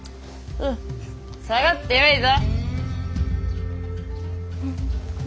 下がってよいぞ。